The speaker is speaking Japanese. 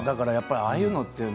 ああいうのって